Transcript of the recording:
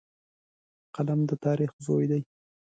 قلم د تاریخ زوی دی